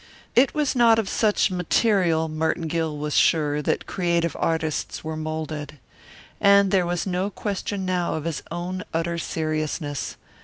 It was not of such material, Merton Gill was sure, that creative artists were moulded. And there was no question now of his own utter seriousness.